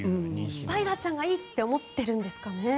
スパイダーちゃんがいいと思っているんですかね。